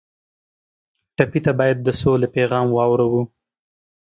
ټپي ته باید د سولې پیغام واورو.